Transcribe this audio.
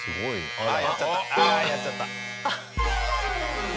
ああやっちゃった。